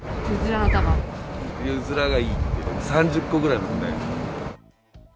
うずらがいいって、３０個ぐらい入れる。